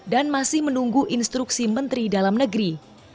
masih menunggu instruksi menteri dalam negeri